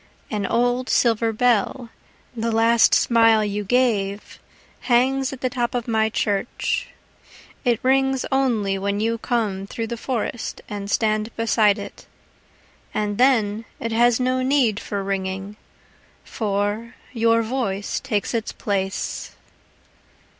An old silver bell, the last smile you gave, Hangs at the top of my church.It rings only when you come through the forestAnd stand beside it. And then, it has no need for ringing, For your voice takes its place.